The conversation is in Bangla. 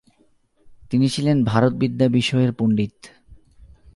তিনি ছিলেন ভারতবিদ্যা বিষয়ের পণ্ডিত।